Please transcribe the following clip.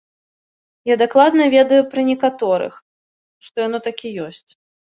Я дакладна ведаю пра некаторых, што яно так і ёсць.